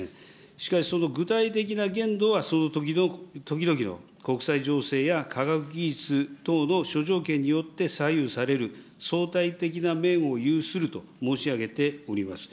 しかし、その具体的な限度はその時々の国際情勢や科学技術等の諸条件によって左右される、相対的な面を有すると申し上げております。